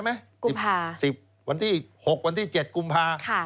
เดี๋ยวเถอะ